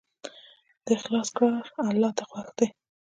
د اخلاص کار الله ته خوښ دی.